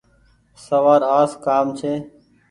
سوآر آس ڪآم ڇي۔